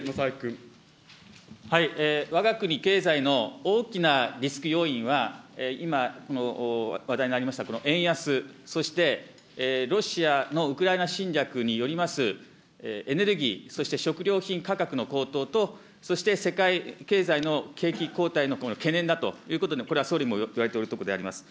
わが国経済の大きなリスク要因は、今、話題にありました円安、そしてロシアのウクライナ侵略によりますエネルギー、そして食料品価格の高騰と、そして世界経済の、景気後退の懸念だということに、これは総理も言われておるところであります。